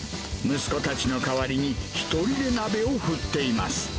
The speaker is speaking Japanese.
息子たちの代わりに、１人で鍋を振っています。